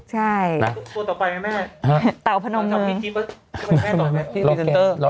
ตัวต่อไปไหมแม่เตาผนมือ